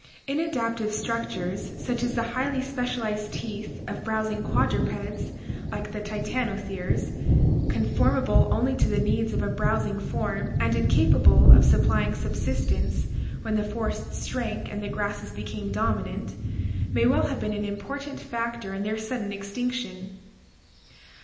— Inadaptive structures such as the highly specialized teeth of browsing quadrupeds like the titanotheres, con formable only to the needs of a browsing form and incapable of supplying subsistence when the forests shrank and the grasses became dominant, may well have been an important factor in their sudden extinction.